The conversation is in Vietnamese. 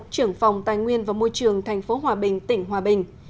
trưởng phòng tài nguyên và môi trường tp hòa bình tỉnh hòa bình